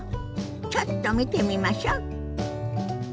ちょっと見てみましょ。